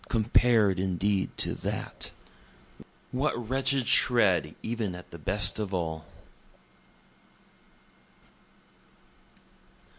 compared indeed to that! What wretched shred e'en at the best of all!)